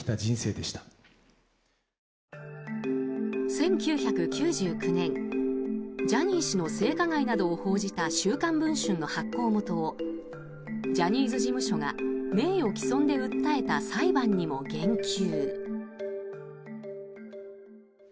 １９９９年ジャニー氏の性加害などを報じた「週刊文春」の発行元をジャニーズ事務所が名誉毀損で訴えた裁判にも言及。